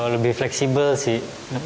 lebih fleksibel sih